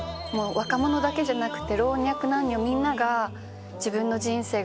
若者だけじゃなくて老若男女みんなが。